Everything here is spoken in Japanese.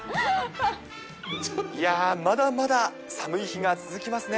いや、まだまだ寒い日が続きますね。